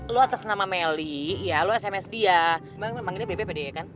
lo atas nama meli lo sms dia memangnya bebeb ya kan